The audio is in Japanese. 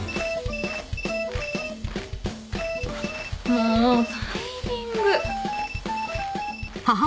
もうタイミング。